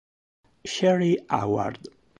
Sherri Howard